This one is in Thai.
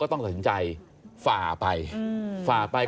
ก็ต้องมาถึงจุดตรงนี้ก่อนใช่ไหม